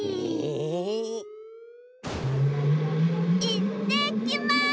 いってきます！